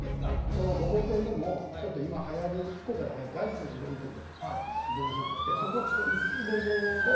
そのごぼ天でもちょっと今はやり福岡ではやってる「大地のうどん」ってうどん屋さんがあってそこはちょっと薄いゴボウで。